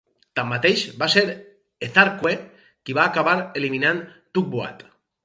Tanmateix, va ser Earthquake qui va acabar eliminant Tugboat.